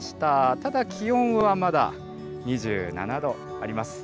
ただ、気温はまだ２７度あります。